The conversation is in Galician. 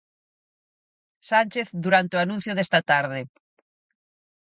Sánchez durante o anuncio desta tarde.